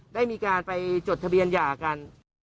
ได้มีการไปจดทะเบียนหย่ากัน